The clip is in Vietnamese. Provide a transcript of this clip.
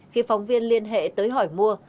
khi phóng viên liên hệ tới hỏi mua